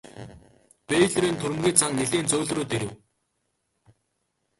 Бэйлорын түрэмгий зан нилээн зөөлрөөд ирэв.